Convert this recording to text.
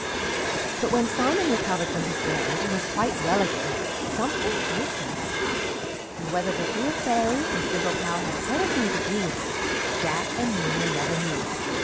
But when Simon recovered from his burns and was quite well again something did happen, and whether the Field Fairy and Brindle Cow had anything to do with it Jack and Nina never knew.